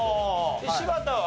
柴田は？